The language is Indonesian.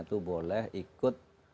itu boleh ikut